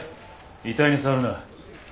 遺体に触るな。